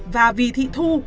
và vì thị thu